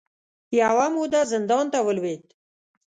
یوه موده زندان ته ولوېد